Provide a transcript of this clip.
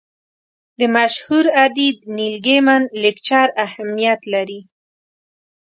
د مشهور ادیب نیل ګیمن لیکچر اهمیت لري.